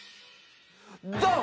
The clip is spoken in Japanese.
ドン！